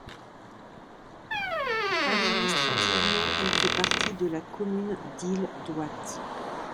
Administrativement, elle fait partie de la commune d'Île-d'Houat.